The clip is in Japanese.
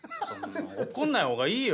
怒んない方がいいよ。